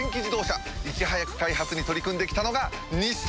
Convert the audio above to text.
いち早く開発に取り組んで来たのが日産！